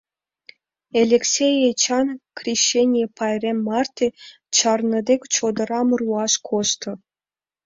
Элексей Эчан крещенье пайрем марте чарныде чодырам руаш кошто.